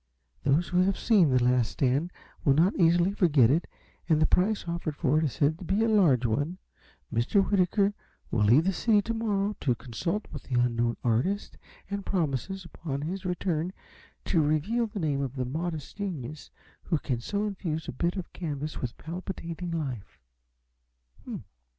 Those who have seen 'The Last Stand' will not easily forget it, and the price offered for it is said to be a large one. Mr. Whitaker will leave the city to morrow to consult the unknown artist, and promises, upon his return, to reveal the name of the modest genius who can so infuse a bit of canvas with palpitating life."